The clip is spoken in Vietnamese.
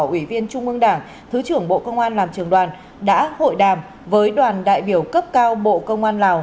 ủy viên trung ương đảng thứ trưởng bộ công an làm trường đoàn đã hội đàm với đoàn đại biểu cấp cao bộ công an lào